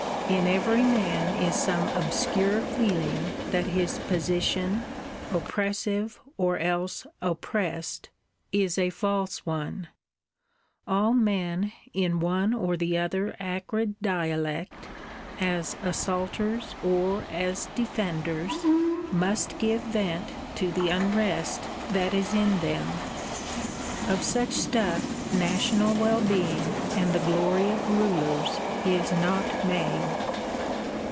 In every man is some obscure feeling that his position, oppressive or else oppressed, is a false one: all men, in one or the other acrid dialect, as assaulters or as defenders, must give vent to the unrest that is in them. Of such stuff national well being, and the glory of rulers, is not made.